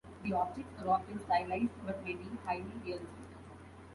The objects are often stylized, but may be highly realistic.